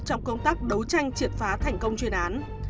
trong công tác đấu tranh triệt phá thành công chuyên án